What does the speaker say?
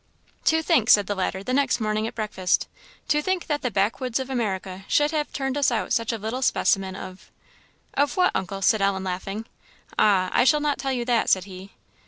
"To think," said the latter the next morning at breakfast, "to think that the backwoods of America should have turned us out such a little specimen of " "Of what, uncle?" said Ellen, laughing. "Ah, I shall not tell you that," said he.